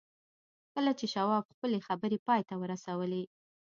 کله چې شواب خپلې خبرې پای ته ورسولې.